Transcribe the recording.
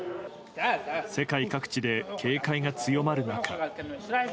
世界各地で警戒が強まる中。